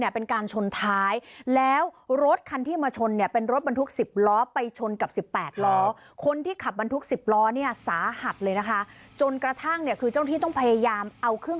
เป็นยักษ์ชนใหญ่หรือยักษ์ชนยัก